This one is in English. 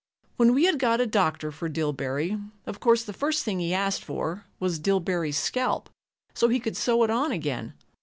When we had got a doctor for Dillbery, of course the first thing he asked for was Dillbery's scalp, so he could sew it on again.